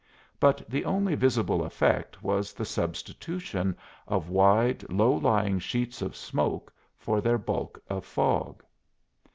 But the only visible effect was the substitution of wide, low lying sheets of smoke for their bulk of fog.